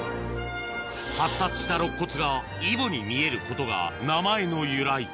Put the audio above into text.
発達した肋骨がイボに見えることが名前の由来